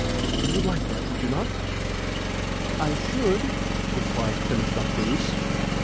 You would like that, would you not?" "I should," replied Themistocleus.